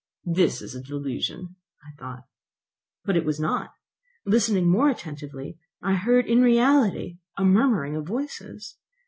"This is a delusion," I thought. But it was not. Listening more attentively, I heard in reality a murmuring of voices.